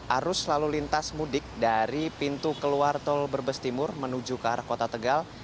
arus lalu lintas mudik dari pintu keluar tol brebes timur menuju ke arah kota tegal